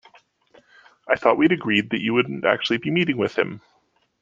I thought we'd agreed that you wouldn't actually be meeting him?